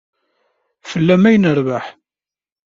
Fell-am ay nerbeḥ.